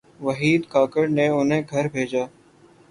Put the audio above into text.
وحید کاکڑ نے انہیں گھر بھیجا۔